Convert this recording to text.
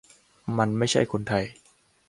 มันไม่ใช่คนไทย